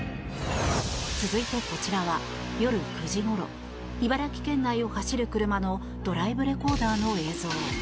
続いてこちらは、夜９時ごろ茨城県内を走る車のドライブレコーダーの映像。